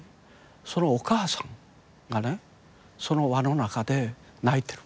そのお母さんがねその輪の中で泣いてる。